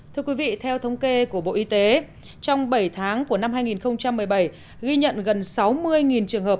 thưa quý vị theo thống kê của bộ y tế trong bảy tháng của năm hai nghìn một mươi bảy ghi nhận gần sáu mươi trường hợp